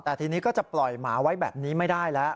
แต่ทีนี้ก็จะปล่อยหมาไว้แบบนี้ไม่ได้แล้ว